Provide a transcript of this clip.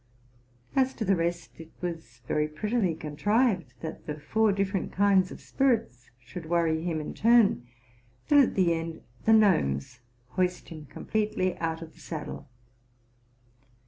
As to the rest, it was very prettily contrived that the four different kinds of spirits should worry him in turn, till at the end the gnomes hoist him completely out of the saddle.